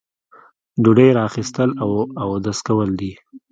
ډوډۍ را اخیستل او اودس کول دي.